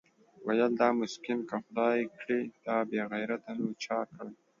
ويل دا مسکين که خداى کړې دا بېغيرته نو چا کړې؟